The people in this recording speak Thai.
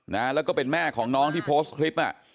นะแล้วก็เป็นแม่ของน้องที่โพสต์คลิปอ่ะ